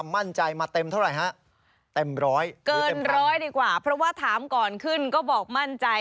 ไม่ได้มองหน้ากันแบบนี้